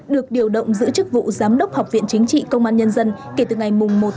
được điều động giữ chức vụ giám đốc học viện chính trị công an nhân dân kể từ ngày một sáu hai nghìn hai mươi hai